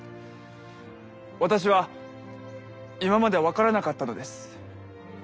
私は今まで分からなかったのです。